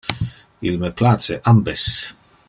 Il me place ambes.